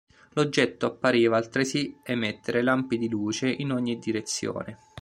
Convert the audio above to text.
L'oggetto appariva altresì emettere lampi di luce in ogni direzione.